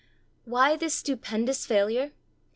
Why this stupendous failure?